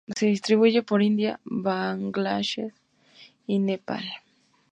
Se distribuye por India, Bangladesh y Nepal.